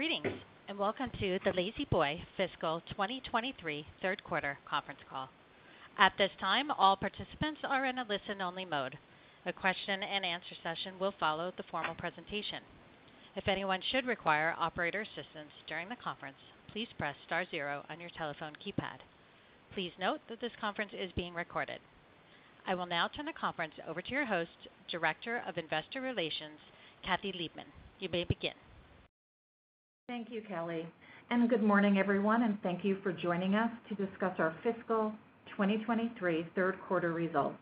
Greetings, and welcome to the La-Z-Boy fiscal 2023 Q3 conference call. At this time, all participants are in a listen-only mode. A question-and-answer session will follow the formal presentation. If anyone should require operator assistance during the conference, please press star zero on your telephone keypad. Please note that this conference is being recorded. I will now turn the conference over to your host, Director of Investor Relations, Kathy Liebmann. You may begin. Thank you, Kelly, good morning, everyone, and thank you for joining us to discuss our fiscal 2023 Q3 results.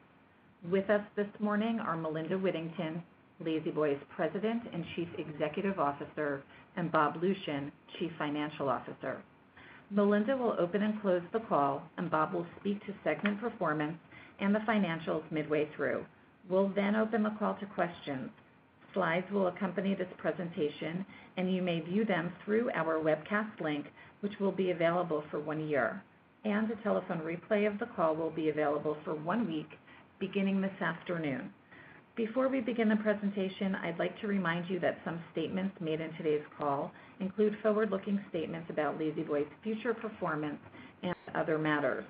With us this morning are Melinda Whittington, La-Z-Boy's President and Chief Executive Officer, and Bob Lucian, Chief Financial Officer. Melinda will open and close the call, Bob will speak to segment performance and the financials midway through. We'll open the call to questions. Slides will accompany this presentation, you may view them through our webcast link, which will be available for one year. A telephone replay of the call will be available for one week, beginning this afternoon. Before we begin the presentation, I'd like to remind you that some statements made in today's call include forward-looking statements about La-Z-Boy's future performance and other matters.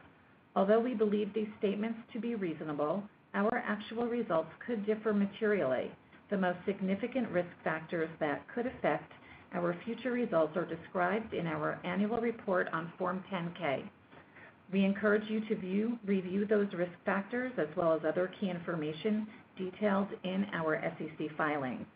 Although we believe these statements to be reasonable, our actual results could differ materially. The most significant risk factors that could affect our future results are described in our annual report on Form 10-K. We encourage you to review those risk factors as well as other key information detailed in our SEC filings.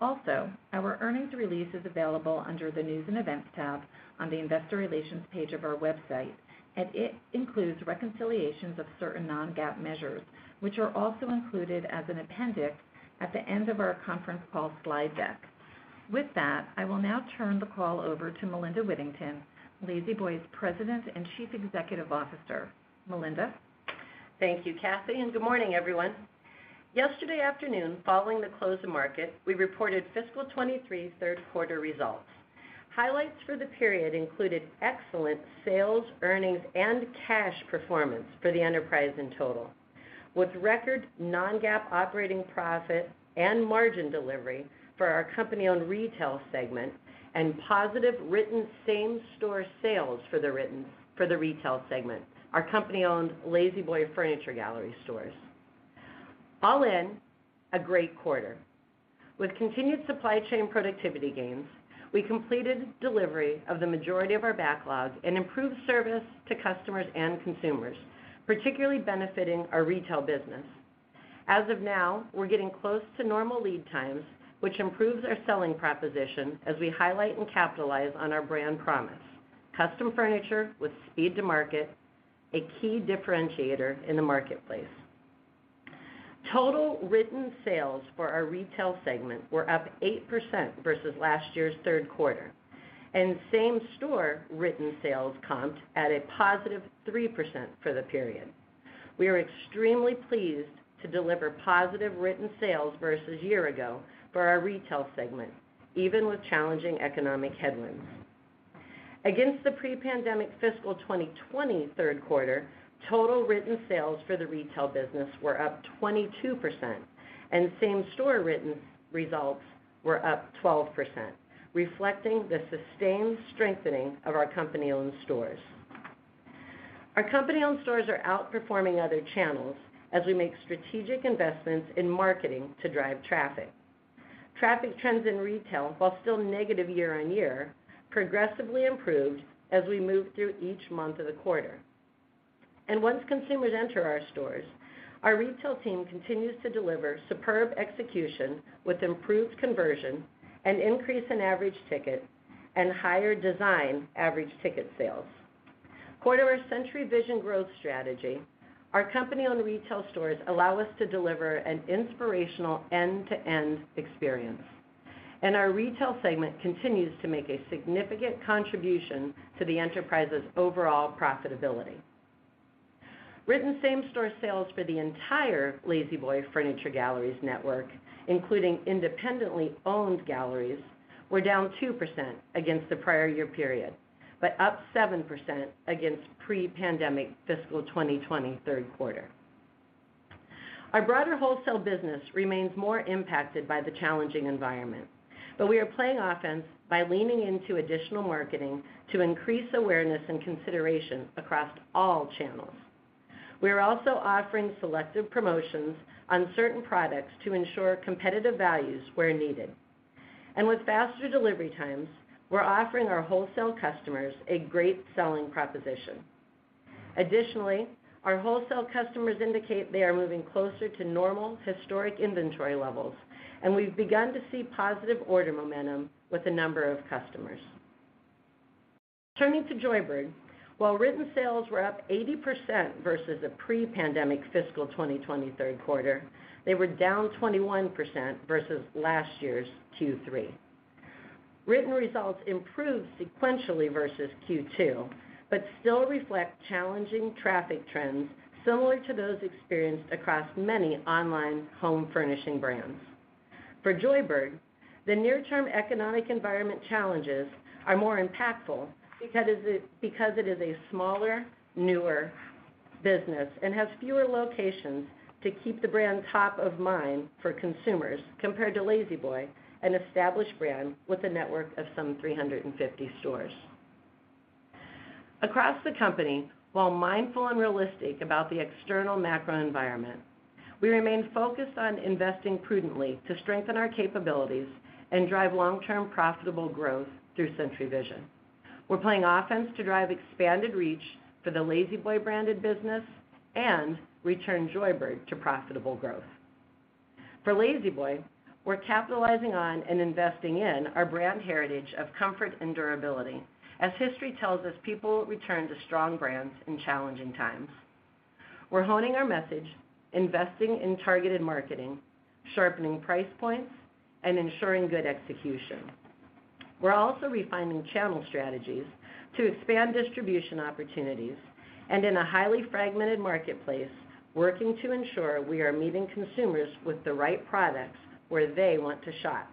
Our earnings release is available under the News & Events tab on the Investor Relations page of our website, and it includes reconciliations of certain non-GAAP measures, which are also included as an appendix at the end of our conference call slide deck. With that, I will now turn the call over to Melinda Whittington, La-Z-Boy's President and Chief Executive Officer. Melinda? Thank you, Kathy. Good morning, everyone. Yesterday afternoon, following the close of market, we reported fiscal 23 Q3 results. Highlights for the period included excellent sales, earnings, and cash performance for the enterprise in total, with record non-GAAP operating profit and margin delivery for our company-owned retail segment and positive written same-store sales for the retail segment, our company-owned La-Z-Boy Furniture Gallery stores. All in, a great quarter. Continued supply chain productivity gains, we completed delivery of the majority of our backlog and improved service to customers and consumers, particularly benefiting our retail business. As of now, we're getting close to normal lead times, which improves our selling proposition as we highlight and capitalize on our brand promise, custom furniture with speed to market, a key differentiator in the marketplace. Total written sales for our retail segment were up 8% versus last year's Q3. Same-store written sales comped at a positive 3% for the period. We are extremely pleased to deliver positive written sales versus year ago for our retail segment, even with challenging economic headwinds. Against the pre-pandemic fiscal 2020 Q3, total written sales for the retail business were up 22%. Same-store written results were up 12%, reflecting the sustained strengthening of our company-owned stores. Our company-owned stores are outperforming other channels as we make strategic investments in marketing to drive traffic. Traffic trends in retail, while still negative year-on-year, progressively improved as we moved through each month of the quarter. Once consumers enter our stores, our retail team continues to deliver superb execution with improved conversion, an increase in average ticket, and higher design average ticket sales. Core to our Century Vision growth strategy, our company-owned retail stores allow us to deliver an inspirational end-to-end experience, and our retail segment continues to make a significant contribution to the enterprise's overall profitability. Written same-store sales for the entire La-Z-Boy Furniture Galleries network, including independently owned galleries, were down 2% against the prior year period, but up 7% against pre-pandemic fiscal 2020 Q3. Our broader wholesale business remains more impacted by the challenging environment, but we are playing offense by leaning into additional marketing to increase awareness and consideration across all channels. We are also offering selective promotions on certain products to ensure competitive values where needed. With faster delivery times, we're offering our wholesale customers a great selling proposition. Additionally, our wholesale customers indicate they are moving closer to normal historic inventory levels, and we've begun to see positive order momentum with a number of customers. Turning to Joybird, while written sales were up 80% versus the pre-pandemic fiscal 2023rd quarter, they were down 21% versus last year's Q3. Written results improved sequentially versus Q2, but still reflect challenging traffic trends similar to those experienced across many online home furnishing brands. For Joybird, the near-term economic environment challenges are more impactful because it is a smaller, newer business and has fewer locations to keep the brand top of mind for consumers compared to La-Z-Boy, an established brand with a network of some 350 stores. Across the company, while mindful and realistic about the external macro environment, we remain focused on investing prudently to strengthen our capabilities and drive long-term profitable growth through Century Vision. We're playing offense to drive expanded reach for the La-Z-Boy branded business and return Joybird to profitable growth. For La-Z-Boy, we're capitalizing on and investing in our brand heritage of comfort and durability, as history tells us people return to strong brands in challenging times. We're honing our message, investing in targeted marketing, sharpening price points, and ensuring good execution. We're also refining channel strategies to expand distribution opportunities, and in a highly fragmented marketplace, working to ensure we are meeting consumers with the right products where they want to shop.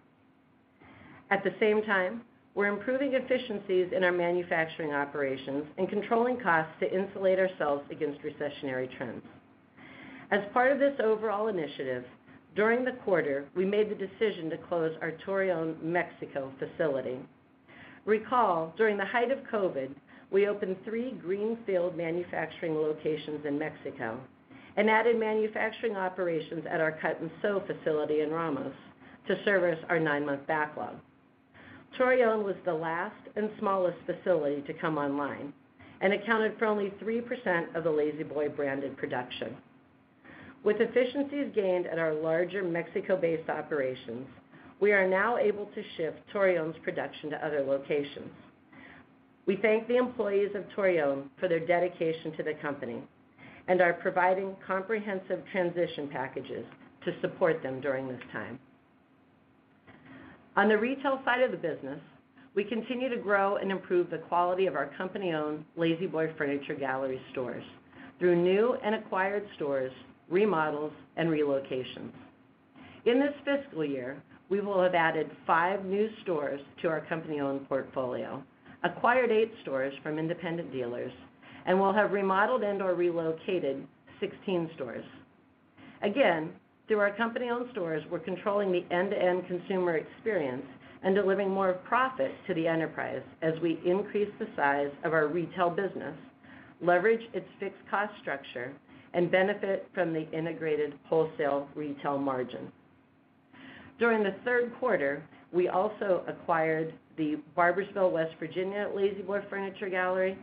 At the same time, we're improving efficiencies in our manufacturing operations and controlling costs to insulate ourselves against recessionary trends. As part of this overall initiative, during the quarter, we made the decision to close our Torreon, Mexico facility. Recall, during the height of COVID, we opened three greenfield manufacturing locations in Mexico and added manufacturing operations at our cut-and-sew facility in Ramos to service our nine-month backlog. Torreon was the last and smallest facility to come online and accounted for only 3% of the La-Z-Boy branded production. With efficiencies gained at our larger Mexico-based operations, we are now able to shift Torreon's production to other locations. We thank the employees of Torreon for their dedication to the company and are providing comprehensive transition packages to support them during this time. On the retail side of the business, we continue to grow and improve the quality of our company-owned La-Z-Boy Furniture Gallery stores through new and acquired stores, remodels, and relocations. In this fiscal year, we will have added 5 new stores to our company-owned portfolio, acquired 8 stores from independent dealers, and will have remodeled and/or relocated 16 stores. Again, through our company-owned stores, we're controlling the end-to-end consumer experience and delivering more profit to the enterprise as we increase the size of our retail business, leverage its fixed cost structure, and benefit from the integrated wholesale-retail margin. During the, we also acquired the Barboursville, West Virginia La-Z-Boy Furniture Gallery,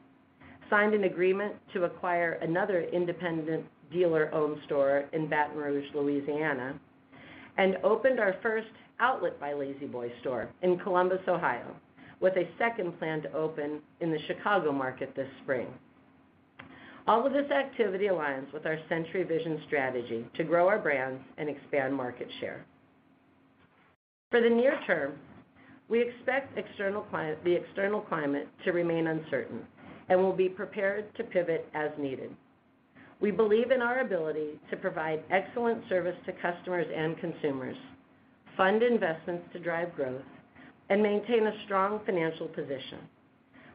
signed an agreement to acquire another independent dealer-owned store in Baton Rouge, Louisiana, and opened our first Outlet by La-Z-Boy store in Columbus, Ohio, with a second planned to open in the Chicago market this spring. All of this activity aligns with our Century Vision strategy to grow our brands and expand market share. For the near term, we expect the external climate to remain uncertain and we'll be prepared to pivot as needed. We believe in our ability to provide excellent service to customers and consumers, fund investments to drive growth, and maintain a strong financial position.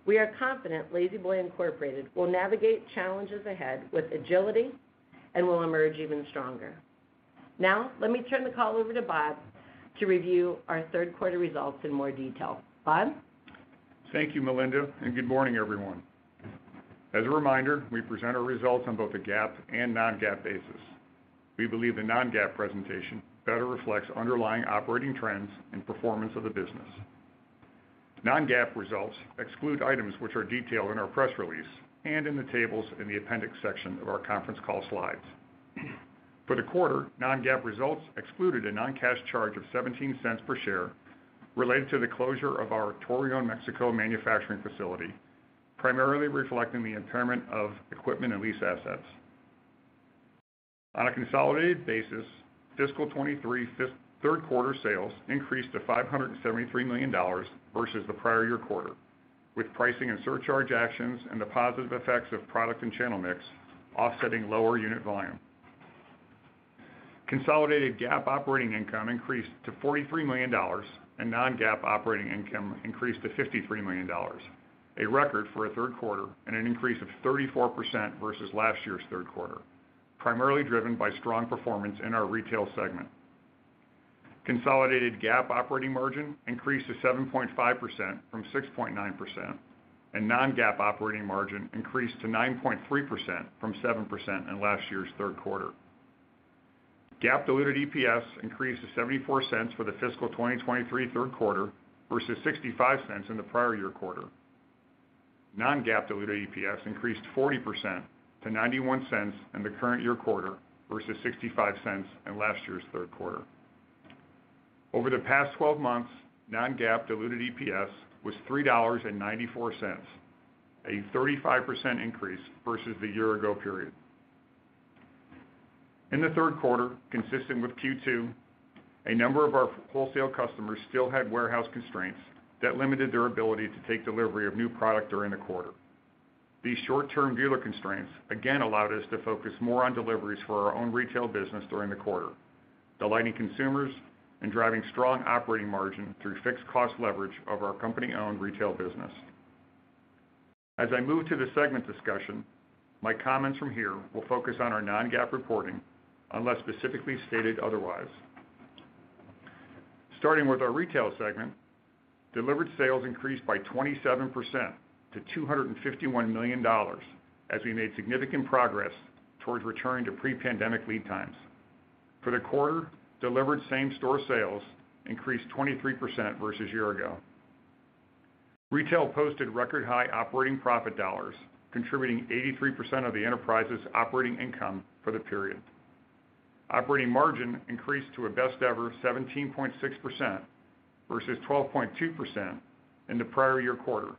We are confident La-Z-Boy Incorporated will navigate challenges ahead with agility and will emerge even stronger. Let me turn the call over to Bob to review our Q3 results in more detail. Bob? Thank you, Melinda. Good morning, everyone. As a reminder, we present our results on both a GAAP and non-GAAP basis. We believe the non-GAAP presentation better reflects underlying operating trends and performance of the business. Non-GAAP results exclude items which are detailed in our press release and in the tables in the appendix section of our conference call slides. For the quarter, non-GAAP results excluded a non-cash charge of $0.17 per share related to the closure of our Torreon, Mexico manufacturing facility, primarily reflecting the impairment of equipment and lease assets. On a consolidated basis, fiscal 23 Q3 sales increased to $573 million versus the prior year quarter, with pricing and surcharge actions and the positive effects of product and channel mix offsetting lower unit volume. Consolidated GAAP operating income increased to $43 million, and non-GAAP operating income increased to $53 million, a record for a Q3 and an increase of 34% versus last year's Q3, primarily driven by strong performance in our retail segment. Consolidated GAAP operating margin increased to 7.5% from 6.9%, and non-GAAP operating margin increased to 9.3% from 7% in last year's Q3. GAAP diluted EPS increased to $0.74 for the fiscal 2023 Q3 versus $0.65 in the prior year quarter. Non-GAAP diluted EPS increased 40% to $0.91 in the current year quarter versus $0.65 in last year's Q3. Over the past 12 months, non-GAAP diluted EPS was $3.94, a 35% increase versus the year ago period. In the Q3, consistent with Q2, a number of our wholesale customers still had warehouse constraints that limited their ability to take delivery of new product during the quarter. These short-term dealer constraints again allowed us to focus more on deliveries for our own retail business during the quarter. Delighting consumers and driving strong operating margin through fixed cost leverage of our company-owned retail business. I move to the segment discussion, my comments from here will focus on our non-GAAP reporting unless specifically stated otherwise. Starting with our retail segment, delivered sales increased by 27% to $251 million as we made significant progress towards returning to pre-pandemic lead times. For the quarter, delivered same-store sales increased 23% versus year ago. Retail posted record high operating profit dollars, contributing 83% of the enterprise's operating income for the period. Operating margin increased to a best ever 17.6% versus 12.2% in the prior year quarter,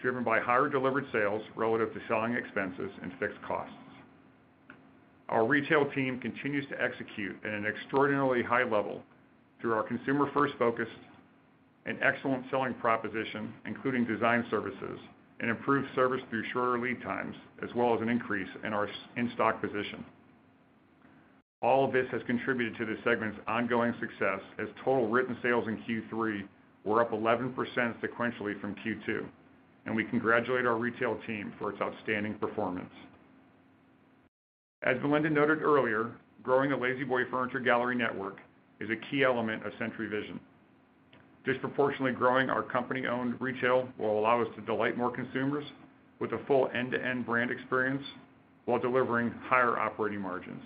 driven by higher delivered sales relative to selling expenses and fixed costs. Our retail team continues to execute at an extraordinarily high level through our consumer-first focus and excellent selling proposition, including design services and improved service through shorter lead times, as well as an increase in our in-stock position. All of this has contributed to the segment's ongoing success as total written sales in Q3 were up 11% sequentially from Q2. We congratulate our retail team for its outstanding performance. As Melinda noted earlier, growing the La-Z-Boy Furniture Galleries network is a key element of Century Vision. Disproportionately growing our company-owned retail will allow us to delight more consumers with a full end-to-end brand experience while delivering higher operating margins.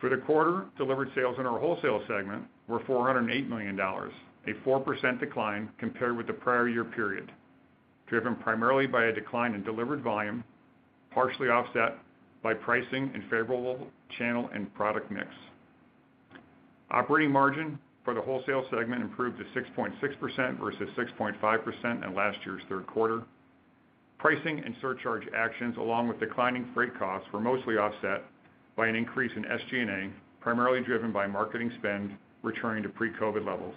For the quarter, delivered sales in our wholesale segment were $408 million, a 4% decline compared with the prior year period, driven primarily by a decline in delivered volume, partially offset by pricing and favorable channel and product mix. Operating margin for the wholesale segment improved to 6.6% versus 6.5% in last year's Q3. Pricing and surcharge actions, along with declining freight costs, were mostly offset by an increase in SG&A, primarily driven by marketing spend returning to pre-COVID levels.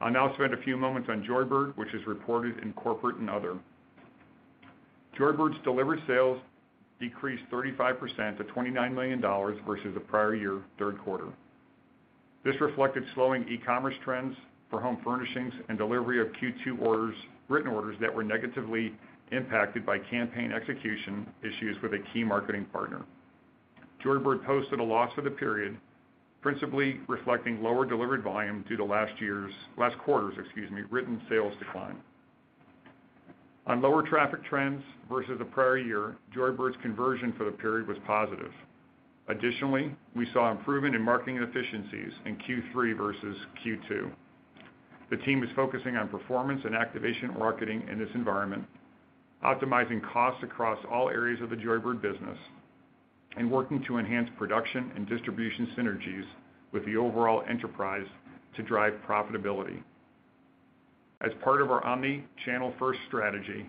I'll now spend a few moments on Joybird, which is reported in corporate and other. Joybird's delivered sales decreased 35% to $29 million versus the prior year Q3. This reflected slowing e-commerce trends for home furnishings and delivery of Q2 orders, written orders that were negatively impacted by campaign execution issues with a key marketing partner. Joybird posted a loss for the period, principally reflecting lower delivered volume due to last quarter's, excuse me, written sales decline. Lower traffic trends versus the prior year, Joybird's conversion for the period was positive. Additionally, we saw improvement in marketing efficiencies in Q3 versus Q2. The team is focusing on performance and activation marketing in this environment, optimizing costs across all areas of the Joybird business and working to enhance production and distribution synergies with the overall enterprise to drive profitability. Part of our omni-channel first strategy,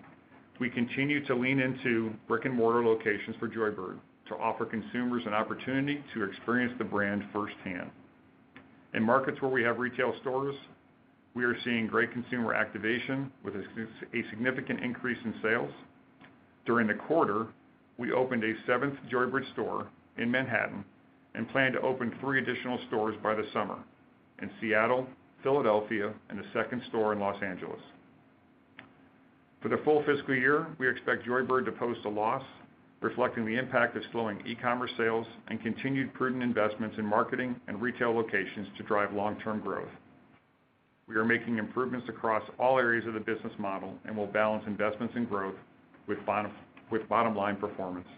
we continue to lean into brick-and-mortar locations for Joybird to offer consumers an opportunity to experience the brand firsthand. In markets where we have retail stores, we are seeing great consumer activation with a significant increase in sales. During the quarter, we opened a seventh Joybird store in Manhattan and plan to open three additional stores by the summer in Seattle, Philadelphia, and a second store in Los Angeles. For the full fiscal year, we expect Joybird to post a loss reflecting the impact of slowing e-commerce sales and continued prudent investments in marketing and retail locations to drive long-term growth. We are making improvements across all areas of the business model and will balance investments in growth with bottom line performance.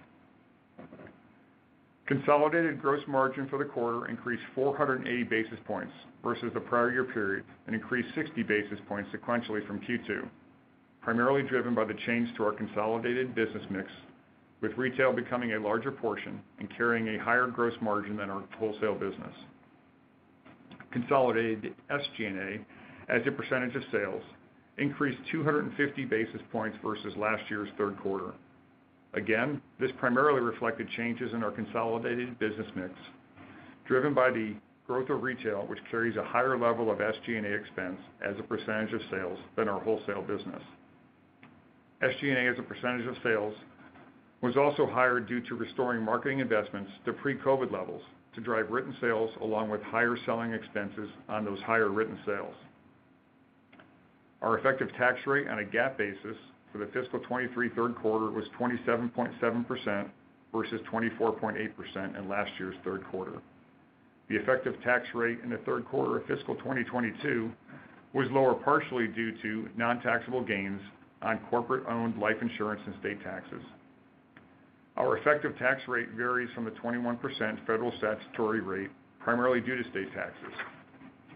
Consolidated gross margin for the quarter increased 480 basis points versus the prior year period and increased 60 basis points sequentially from Q2, primarily driven by the change to our consolidated business mix, with retail becoming a larger portion and carrying a higher gross margin than our wholesale business. Consolidated SG&A as a percentage of sales increased 250 basis points versus last year's Q3. Again, this primarily reflected changes in our consolidated business mix driven by the growth of retail, which carries a higher level of SG&A expense as a percentage of sales than our wholesale business. SG&A as a percentage of sales was also higher due to restoring marketing investments to pre-COVID levels to drive written sales along with higher selling expenses on those higher written sales. Our effective tax rate on a GAAP basis for the fiscal 23 Q3 was 27.7% versus 24.8% in last year. The effective tax rate in the Q3 of fiscal 2022 was lower, partially due to non-taxable gains on corporate-owned life insurance and state taxes. Our effective tax rate varies from the 21% federal statutory rate, primarily due to state taxes.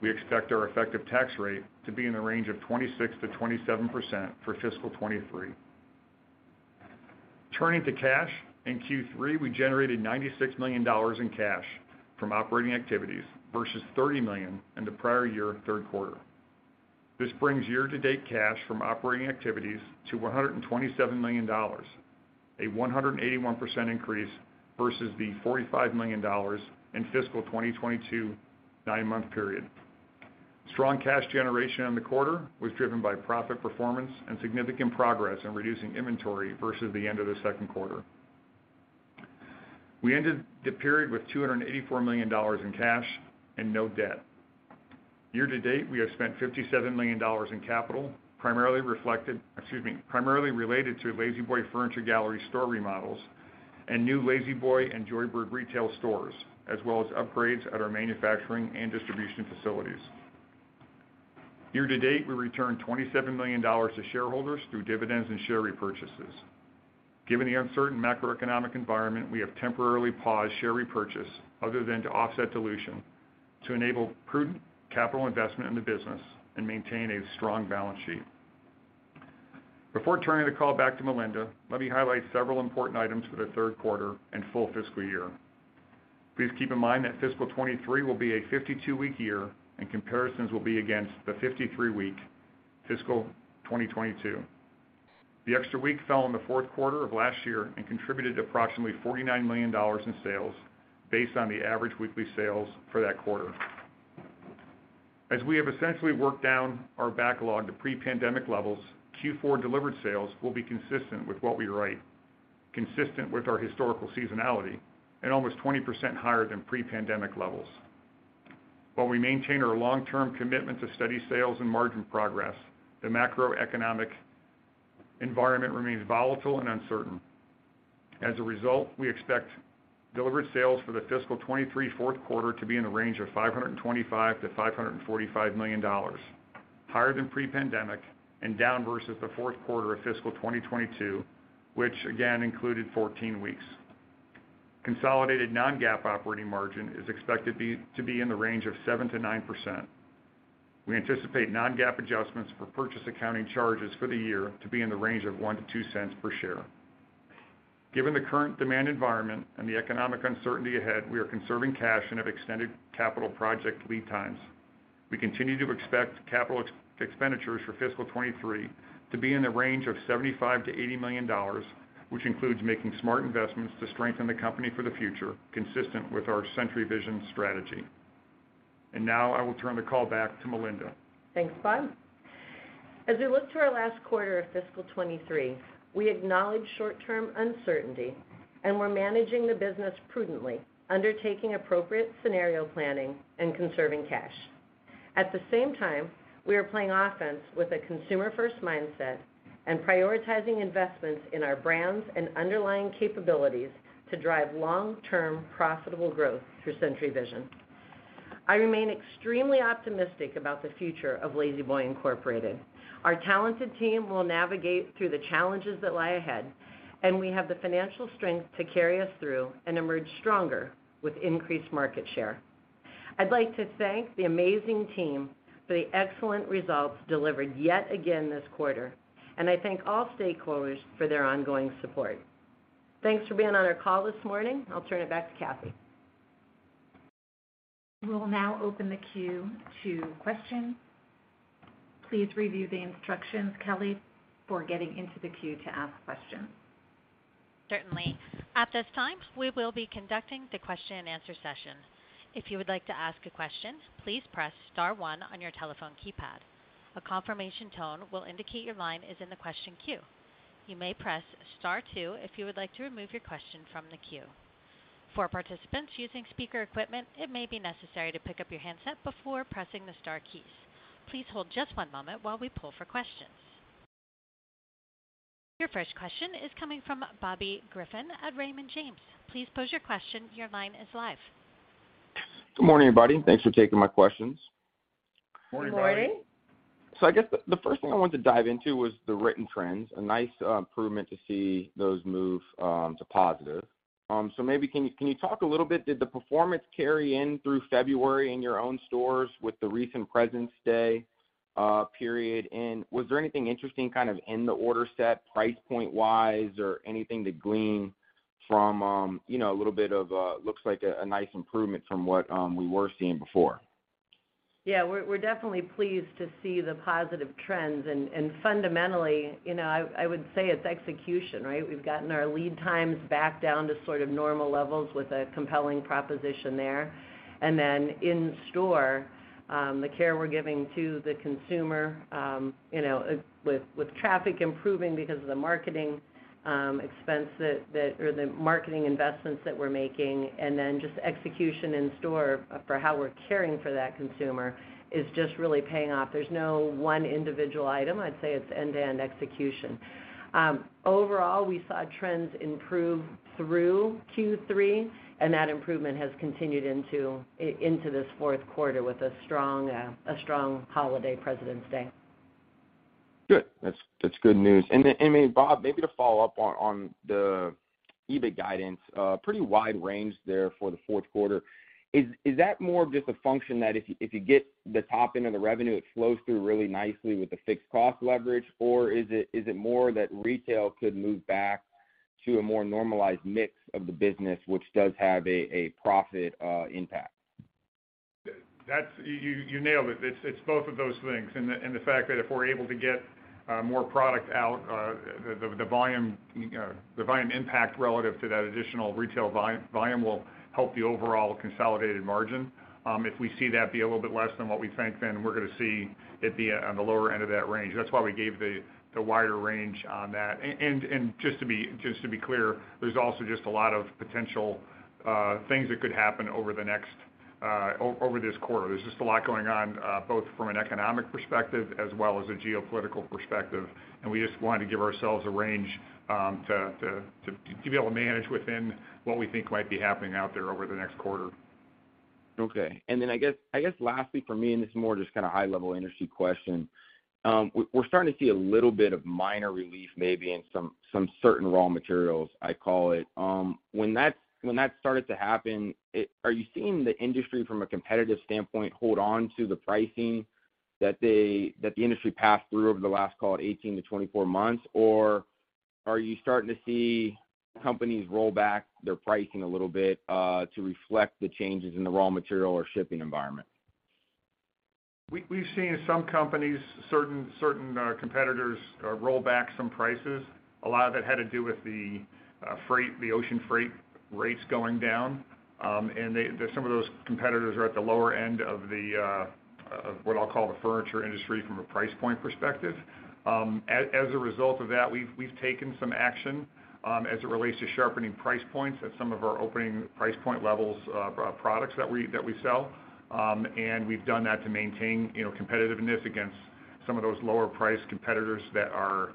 We expect our effective tax rate to be in the range of 26%-27% for fiscal 23. Turning to cash, in Q3, we generated $96 million in cash from operating activities versus $30 million in the prior year Q3. This brings year-to-date cash from operating activities to $127 million, a 181% increase versus the $45 million in fiscal 2022 nine-month period. Strong cash generation in the quarter was driven by profit performance and significant progress in reducing inventory versus the end of the Q2. We ended the period with $284 million in cash and no debt. Year-to-date, we have spent $57 million in capital, primarily related to La-Z-Boy Furniture Galleries store remodels and new La-Z-Boy and Joybird retail stores, as well as upgrades at our manufacturing and distribution facilities. Year-to-date, we returned $27 million to shareholders through dividends and share repurchases. Given the uncertain macroeconomic environment, we have temporarily paused share repurchase other than to offset dilution to enable prudent capital investment in the business and maintain a strong balance sheet. Before turning the call back to Melinda, let me highlight several important items for the Q3 and full fiscal year. Please keep in mind that fiscal 2023 will be a 52-week year and comparisons will be against the 53-week fiscal 2022. The extra week fell in the Q4 of last year and contributed approximately $49 million in sales based on the average weekly sales for that quarter. As we have essentially worked down our backlog to pre-pandemic levels, Q4 delivered sales will be consistent with our historical seasonality and almost 20% higher than pre-pandemic levels. While we maintain our long-term commitment to steady sales and margin progress, the macroeconomic environment remains volatile and uncertain. As a result, we expect delivered sales for the fiscal 23 Q4 to be in the range of $525 million to $545 million, higher than pre-pandemic and down versus the Q4of fiscal 2022, which again included 14 weeks. Consolidated non-GAAP operating margin is expected to be in the range of 7%-9%. We anticipate non-GAAP adjustments for purchase accounting charges for the year to be in the range of $0.01-$0.02 per share. Given the current demand environment and the economic uncertainty ahead, we are conserving cash and have extended capital project lead times. We continue to expect capital expenditures for fiscal 23 to be in the range of $75 million-$80 million, which includes making smart investments to strengthen the company for the future, consistent with our Century Vision strategy. Now, I will turn the call back to Melinda. Thanks, Bob. As we look to our last quarter of fiscal 2023, we acknowledge short-term uncertainty. We're managing the business prudently, undertaking appropriate scenario planning and conserving cash. At the same time, we are playing offense with a consumer-first mindset and prioritizing investments in our brands and underlying capabilities to drive long-term profitable growth through Century Vision. I remain extremely optimistic about the future of La-Z-Boy Incorporated. Our talented team will navigate through the challenges that lie ahead. We have the financial strength to carry us through and emerge stronger with increased market share. I'd like to thank the amazing team for the excellent results delivered yet again this quarter. I thank all stakeholders for their ongoing support. Thanks for being on our call this morning. I'll turn it back to Kathy. We'll now open the queue to questions. Please review the instructions, Kelly, for getting into the queue to ask questions. Certainly. At this time, we will be conducting the question and answer session. If you would like to ask a question, please press star one on your telephone keypad. A confirmation tone will indicate your line is in the question queue. You may press star two if you would like to remove your question from the queue. For participants using speaker equipment, it may be necessary to pick up your handset before pressing the star keys. Please hold just one moment while we pull for questions. Your first question is coming from Bobby Griffin at Raymond James. Please pose your question. Your line is live. Good morning, everybody. Thanks for taking my questions. Good morning. Morning. I guess the first thing I wanted to dive into was the written trends. A nice improvement to see those move to positive. Maybe can you talk a little bit, did the performance carry in through February in your own stores with the recent Presidents' Day period? Was there anything interesting kind of in the order set price point wise or anything to glean from, you know, a little bit of a, looks like a nice improvement from what we were seeing before? Yeah, we're definitely pleased to see the positive trends. Fundamentally, you know, I would say it's execution, right? We've gotten our lead times back down to sort of normal levels with a compelling proposition there. Then in store, the care we're giving to the consumer, you know, with traffic improving because of the marketing expense that, or the marketing investments that we're making, and then just execution in store for how we're caring for that consumer is just really paying off. There's no one individual item. I'd say it's end-to-end execution. Overall, we saw trends improve through Q3, and that improvement has continued into this Q4 with a strong holiday Presidents' Day. Good. That's good news. I mean, Bob, maybe to follow up on the EBIT guidance, pretty wide range there for the Q4 Is that more of just a function that if you get the top end of the revenue, it flows through really nicely with the fixed cost leverage? Or is it more that retail could move back to a more normalized mix of the business, which does have a profit impact? That's you nailed it. It's both of those things. The fact that if we're able to get more product out, the volume impact relative to that additional retail volume will help the overall consolidated margin. If we see that be a little bit less than what we think, then we're gonna see it be on the lower end of that range. That's why we gave the wider range on that. Just to be clear, there's also just a lot of potential things that could happen over the next over this quarter. There's just a lot going on, both from an economic perspective as well as a geopolitical perspective. We just wanted to give ourselves a range to be able to manage within what we think might be happening out there over the next quarter. Okay. I guess lastly for me, and this is more just kinda high level industry question, we're starting to see a little bit of minor relief maybe in some certain raw materials I call it. When that started to happen, are you seeing the industry from a competitive standpoint hold on to the pricing that the industry passed through over the last, call it 18-24 months? Or are you starting to see companies roll back their pricing a little bit to reflect the changes in the raw material or shipping environment? We've seen some companies, certain competitors roll back some prices. A lot of it had to do with the freight, the ocean freight rates going down. Some of those competitors are at the lower end of what I'll call the furniture industry from a price point perspective. As a result of that, we've taken some action as it relates to sharpening price points at some of our opening price point levels, products that we sell. We've done that to maintain, you know, competitiveness against some of those lower priced competitors that are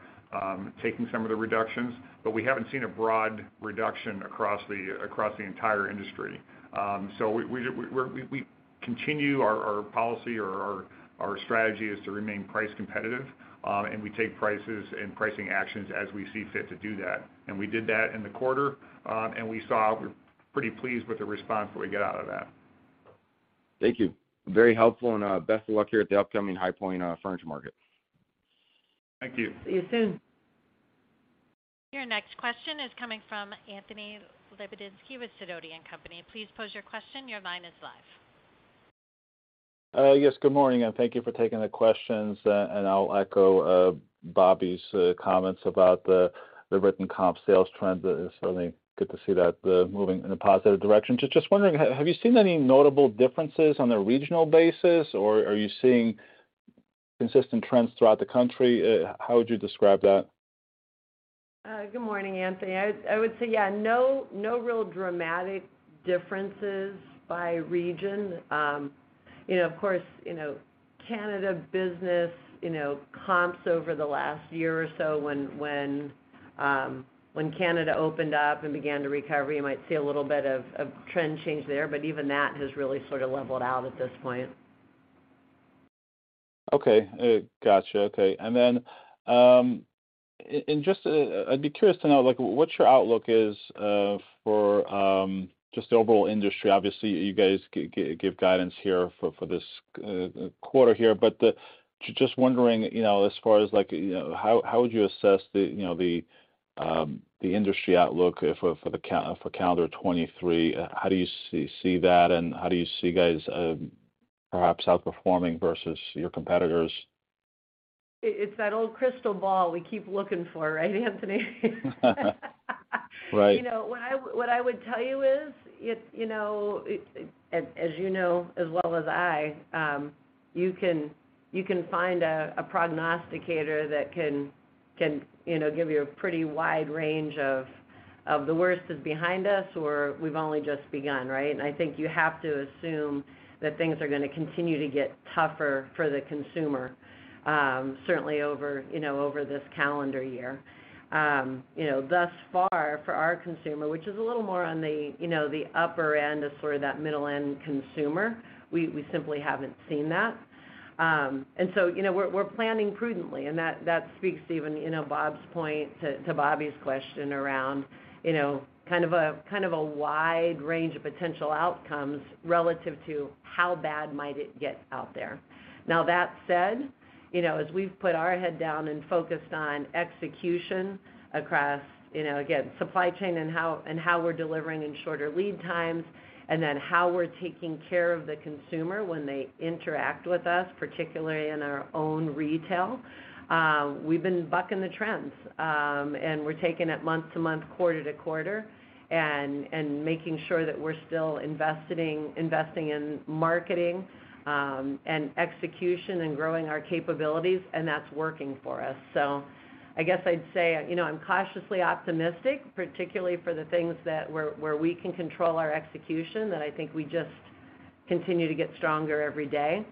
taking some of the reductions. We haven't seen a broad reduction across the entire industry. We continue our policy or our strategy is to remain price competitive, and we take prices and pricing actions as we see fit to do that. We did that in the quarter. We saw we're pretty pleased with the response that we get out of that. Thank you. Very helpful, and best of luck here at the upcoming High Point Furniture Market. Thank you. See you soon. Your next question is coming from Anthony Lebiedzinski with Sidoti & Company. Please pose your question. Your line is live. Yes, good morning, and thank you for taking the questions. I'll echo Bobby's comments about the written comp sales trend. It is certainly good to see that moving in a positive direction. Just wondering, have you seen any notable differences on a regional basis, or are you seeing consistent trends throughout the country? How would you describe that? Good morning, Anthony. I would say, yeah, no real dramatic differences by region. You know, of course, you know, Canada business, you know, comps over the last year or so when Canada opened up and began to recover, you might see a little bit of trend change there, but even that has really sort of leveled out at this point. Okay. Gotcha. Okay. Then, and just, I'd be curious to know, like what your outlook is, for, just the overall industry. Obviously, you guys give guidance here for this, quarter here. Just wondering, you know, as far as like, how would you assess the, you know, the industry outlook for calendar 2023? How do you see that, and how do you see guys, perhaps outperforming versus your competitors? It's that old crystal ball we keep looking for, right, Anthony? Right. You know, what I, what I would tell you is, it, you know, As you know as well as I, you can find a prognosticator that can, you know, give you a pretty wide range of the worst is behind us or we've only just begun, right? I think you have to assume that things are gonna continue to get tougher for the consumer, certainly over, you know, over this calendar year. You know, thus far for our consumer, which is a little more on the, you know, the upper end to sort of that middle end consumer, we simply haven't seen that. You know, we're planning prudently, and that speaks to even, you know, Bob's point, to Bobby's question around, you know, kind of a wide range of potential outcomes relative to how bad might it get out there. You know, as we've put our head down and focused on execution across, you know, again, supply chain and how, and how we're delivering in shorter lead times, and then how we're taking care of the consumer when they interact with us, particularly in our own retail, we've been bucking the trends. We're taking it month to month, quarter-quarter and making sure that we're still investing in marketing, and execution and growing our capabilities, and that's working for us. I guess I'd say, you know, I'm cautiously optimistic, particularly for the things that where we can control our execution, that I think we just continue to get stronger every day.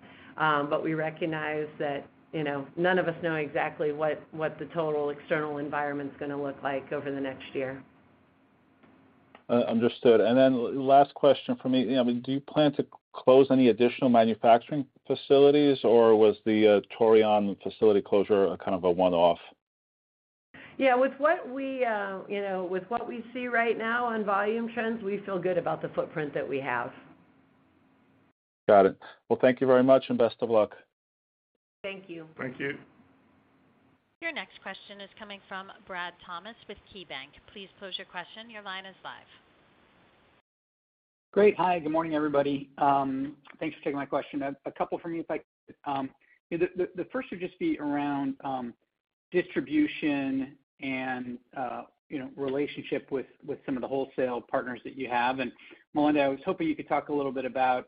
We recognize that, you know, none of us know exactly what the total external environment's gonna look like over the next year. understood. Last question from me. I mean, do you plan to close any additional manufacturing facilities, or was the Torreon facility closure a kind of a one-off? Yeah. With what we, you know, with what we see right now on volume trends, we feel good about the footprint that we have. Got it. Well, thank you very much, and best of luck. Thank you. Thank you. Your next question is coming from Bradley Thomas with KeyBank. Please pose your question. Your line is live. Great. Hi, good morning, everybody. Thanks for taking my question. A couple for me, if I. The first would just be around distribution and, you know, relationship with some of the wholesale partners that you have. Melinda, I was hoping you could talk a little bit about,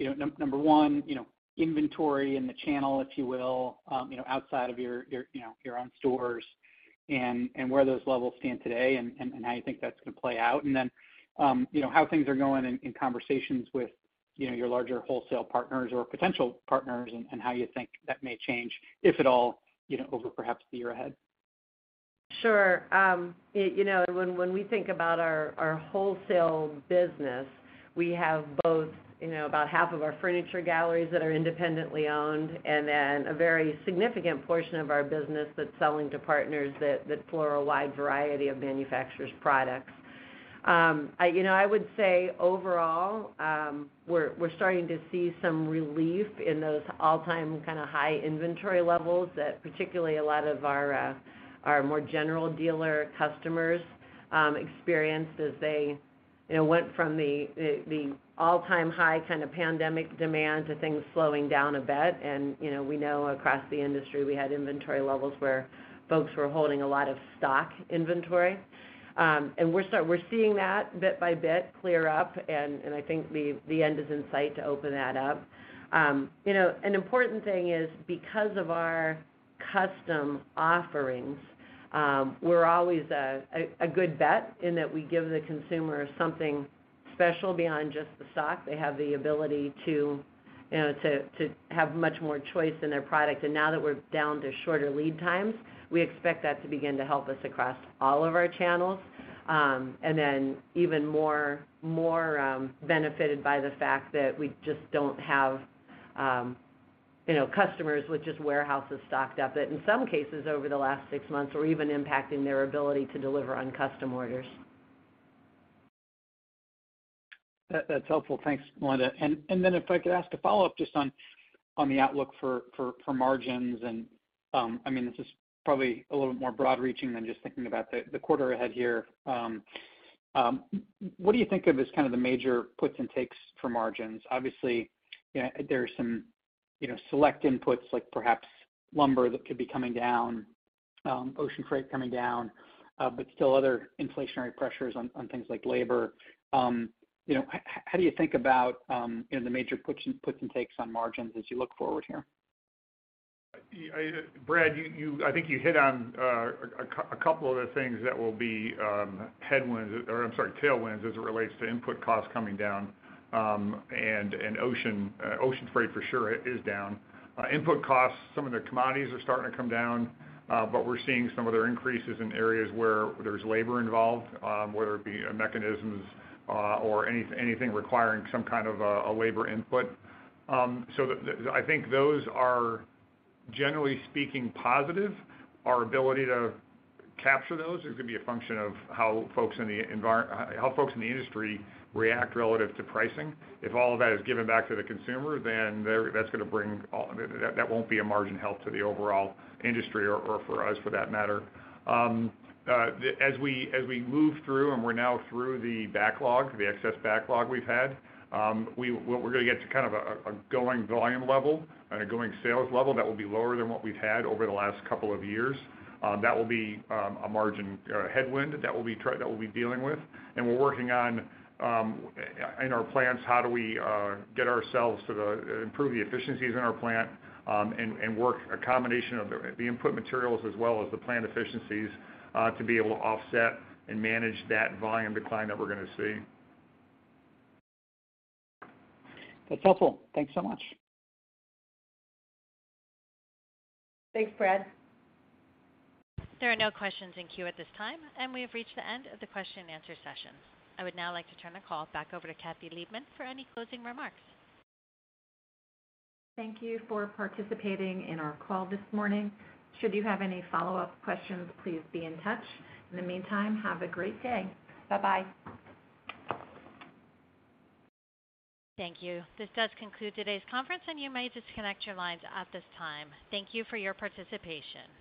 you know, number one, you know, inventory and the channel, if you will, you know, outside of your, you know, your own stores and where those levels stand today and how you think that's gonna play out. Then, you know, how things are going in conversations with, you know, your larger wholesale partners or potential partners, and how you think that may change, if at all, you know, over perhaps the year ahead. Sure. You know, when we think about our wholesale business, we have both, you know, about half of our Furniture Galleries that are independently owned, and then a very significant portion of our business that's selling to partners that floor a wide variety of manufacturers' products. I, you know, I would say overall, we're starting to see some relief in those all-time kind of high inventory levels that particularly a lot of our more general dealer customers experienced as they, you know, went from the all-time high kind of pandemic demand to things slowing down a bit. You know, we know across the industry we had inventory levels where folks were holding a lot of stock inventory. We're seeing that bit by bit clear up, and I think the end is in sight to open that up. You know, an important thing is, because of our custom offerings, we're always a good bet in that we give the consumer something special beyond just the stock. They have the ability to, you know, to have much more choice in their product. Now that we're down to shorter lead times, we expect that to begin to help us across all of our channels, and then even more benefited by the fact that we just don't have, you know, customers with just warehouses stocked up that in some cases over the last six months were even impacting their ability to deliver on custom orders. That's helpful. Thanks, Melinda. Then if I could ask a follow-up just on the outlook for margins. I mean, this is probably a little bit more broad reaching than just thinking about the quarter ahead here. What do you think of as kind of the major puts and takes for margins? Obviously, you know, there are some, you know, select inputs like perhaps lumber that could be coming down, ocean freight coming down, but still other inflationary pressures on things like labor. You know, how do you think about, you know, the major puts and takes on margins as you look forward here? Yeah, Brad, you I think you hit on a couple of the things that will be headwinds, or, I'm sorry, tailwinds as it relates to input costs coming down, and ocean freight for sure is down. Input costs, some of the commodities are starting to come down, but we're seeing some other increases in areas where there's labor involved, whether it be mechanisms, or anything requiring some kind of a labor input. I think those are, generally speaking, positive. Our ability to capture those is gonna be a function of how folks in the industry react relative to pricing. If all of that is given back to the consumer, then there, that's gonna bring all... That won't be a margin help to the overall industry or for us for that matter. As we move through and we're now through the backlog, the excess backlog we've had, what we're going to get to kind of a going volume level and a going sales level that will be lower than what we've had over the last couple of years. That will be a margin headwind that we'll be dealing with. We're working on in our plants, how do we get ourselves to the, improve the efficiencies in our plant, and work a combination of the input materials as well as the plant efficiencies to be able to offset and manage that volume decline that we're going to see. That's helpful. Thanks so much. Thanks, Brad. There are no questions in queue at this time. We have reached the end of the question and answer session. I would now like to turn the call back over to Kathy Liebmann for any closing remarks. Thank you for participating in our call this morning. Should you have any follow-up questions, please be in touch. In the meantime, have a great day. Bye-bye. Thank you. This does conclude today's conference, and you may disconnect your lines at this time. Thank you for your participation.